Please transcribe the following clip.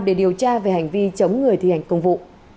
để điều tra về hành vi chống người thi hành công vụ